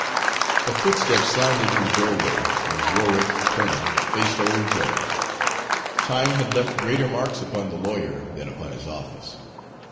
A footstep sounded in the doorway, and Warwick, turning, faced the old judge. Time had left greater marks upon the lawyer than upon his office.